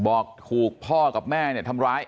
บอกถูกพ่อกับแม่เนี่ยทำร้าย